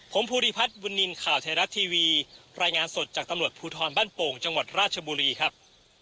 ผมภูริพัฒน์บุญนินทร์ข่าวไทยรัฐทีวีรายงานสดจากตำรวจภูทรบ้านโป่งจังหวัดราชบุรีครับ